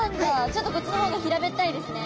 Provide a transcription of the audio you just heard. ちょっとこっちの方が平べったいですね。